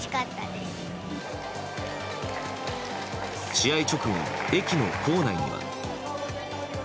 試合直後の駅構内には。